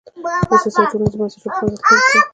د سیاسي او ټولنیزو بنسټونو په له منځه تلو سره